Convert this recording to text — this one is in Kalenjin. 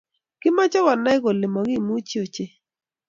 Kimache konai kole makimuech ochei